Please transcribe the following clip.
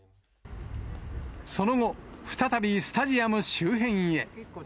その後、再び、スタジアム周辺へ。